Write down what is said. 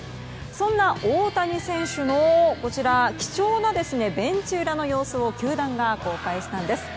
そんな大谷選手の貴重なベンチ裏の様子を球団が公開したんです。